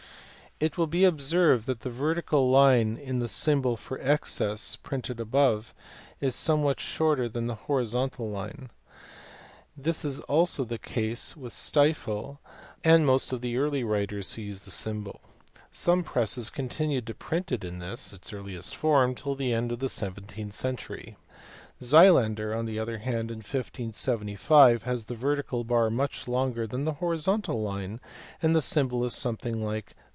It will be observed that the vertical line in the symbol for excess printed above is somewhat shorter than the horizontal line. This is also the case with Stifel and most of the early writers who used the symbol : some presses continued to print it in this, its earliest form, till the end of the seventeenth century. Xy lander on the other hand in 1575 has the vertical bar much longer than the horizontal line, and the symbol is something like